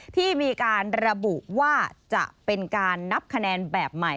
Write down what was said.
ที่มีการระบุว่าจะเป็นการนับคะแนนแบบใหม่